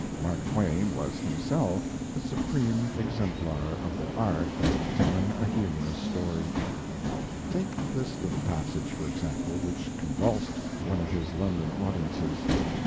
Mark Twain was himself the supreme exemplar of the art of telling a humorous story. Take this little passage, for example, which convulsed one of his London audiences.